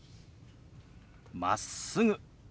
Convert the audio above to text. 「まっすぐ」。